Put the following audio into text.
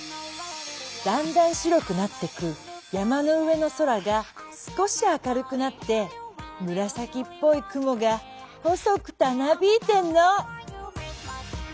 だんだん白くなってく山の上の空がすこしあかるくなって紫っぽい雲が細くたなびいてんの。